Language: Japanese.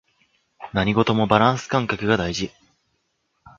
何事もバランス感覚が大事